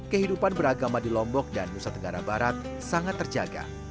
kehidupan beragama di lombok dan nusa tenggara barat sangat terjaga